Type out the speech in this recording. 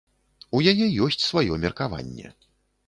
У яе ёсць сваё меркаванне.